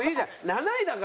７位だから。